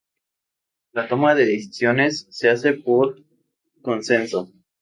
La toma de decisiones se hace por consenso.